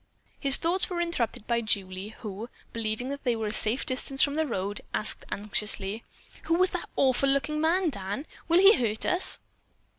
His thoughts were interrupted by Julie, who, believing that they were a safe distance from the road, asked anxiously, "Who was the awful looking man, Dan? Will he hurt us?"